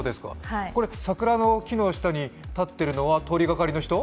桜の木の下に立っているのは通りがかりの人？